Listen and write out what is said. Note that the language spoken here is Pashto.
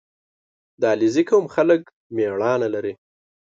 • د علیزي قوم خلک مېړانه لري.